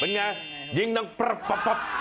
เป็นอย่างไรยิงนะแหละ